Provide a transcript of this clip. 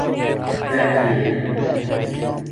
แบบเก๋